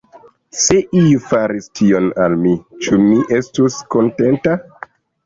Se iu faris tion al mi, ĉu mi estus kontenta?